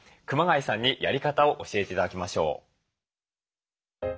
熊谷さんにやり方を教えて頂きましょう。